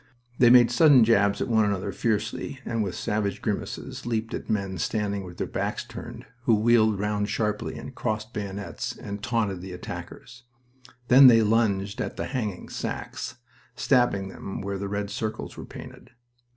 They made sudden jabs at one another fiercely and with savage grimaces, leaped at men standing with their backs turned, who wheeled round sharply, and crossed bayonets, and taunted the attackers. Then they lunged at the hanging sacks, stabbing them where the red circles were painted.